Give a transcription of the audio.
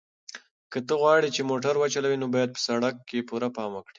که ته غواړې چې موټر وچلوې نو باید په سړک کې پوره پام وکړې.